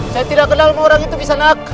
saya tidak kenal dengan orang itu bisa nak